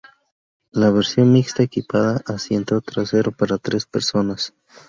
La versión mixta equipaba asiento trasero para tres personas.